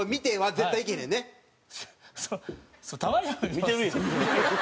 見てるやん。